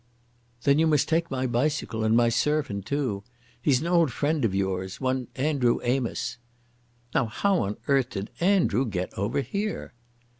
"Then you must take my bicycle and my servant too. He's an old friend of yours—one Andrew Amos." "Now how on earth did Andrew get over here?"